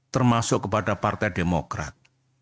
termasuk kepada partai demokrat